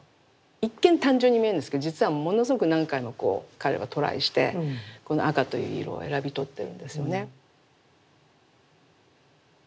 一見単純に見えるんですけど実はものすごく何回も彼はトライしてこの赤という色を選び取ってるんですよね。